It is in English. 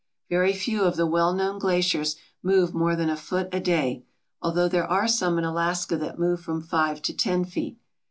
Very few of the well known glaciers move more than a foot a day, although there are some in Alaska that move from five to ten feet.